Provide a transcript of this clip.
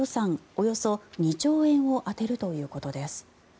およそ２兆円を充てるということです。